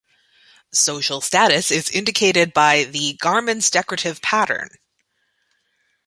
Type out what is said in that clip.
Social status is indicated by the garment's decorative pattern.